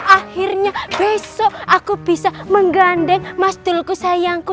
akhirnya besok aku bisa menggandeng mas dulku sayangku